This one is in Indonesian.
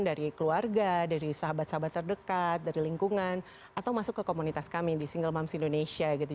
dari keluarga dari sahabat sahabat terdekat dari lingkungan atau masuk ke komunitas kami di single moms indonesia gitu